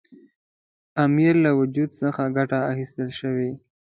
امیر له وجود څخه ګټه اخیستلای شوای.